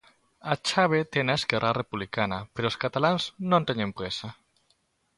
A chave tena Esquerra Republicana, pero os cataláns non teñen présa.